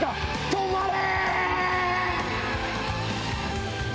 ⁉止まれ‼